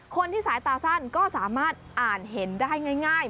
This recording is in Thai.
คนที่สายตาสั้นก็สามารถอ่านเห็นได้ง่าย